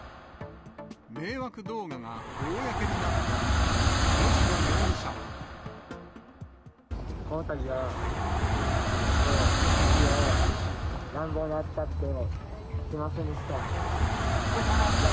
迷惑動画が公になったあと、このたびは、すしを乱暴に扱って、すみませんでした。